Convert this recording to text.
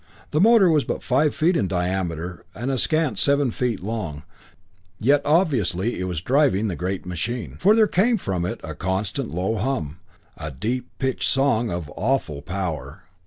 The motor was but five feet in diameter and a scant seven feet long, yet obviously it was driving the great machine, for there came from it a constant low hum, a deep pitched song of awful power.